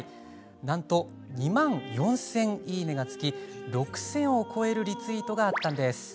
なんと２万４０００いいね！がつきまして６０００を越えるリツイートがあったんです。